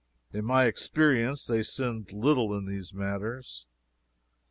In my experience they sinned little in these matters.